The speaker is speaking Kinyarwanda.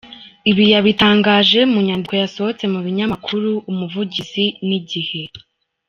Ibi yabitangaje mu nyandiko yasohotse mu binyamakuru « Umuvugizi » n’« Igihe ».